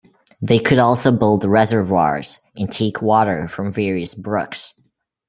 They could also build reservoirs, and take water from various brooks.